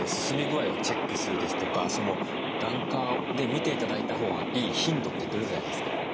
進み具合をチェックするですとか眼科で診て頂いたほうがいい頻度ってどれぐらいですか？